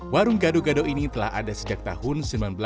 warung gado gado ini telah ada sejak tahun seribu sembilan ratus delapan puluh